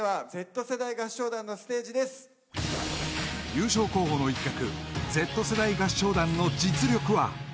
［優勝候補の一角Ｚ世代合唱団の実力は］